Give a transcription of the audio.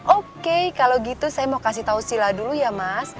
oke kalau gitu saya mau kasih tahu sila dulu ya mas